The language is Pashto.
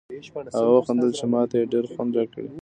هغه و خندل چې ما ته یې ډېر خوند راکړ.